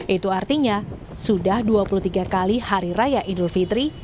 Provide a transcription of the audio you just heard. itu artinya sudah dua puluh tiga kali hari raya idul fitri